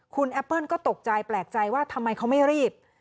คุณแอปเปิ้ลก็ตกใจแปลกใจว่าทำไมเขาไม่รีบ